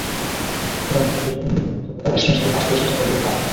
অধিকাংশ কোর্সের জন্য শিক্ষাগত যোগ্যতা অষ্টম শ্রেণি পাস পর্যন্ত হলেই হয়।